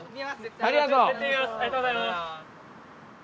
ありがとうございます。